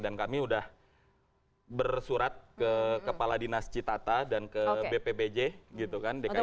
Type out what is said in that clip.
dan kami udah bersurat ke kepala dinas citata dan ke bpbj gitu kan dki jakarta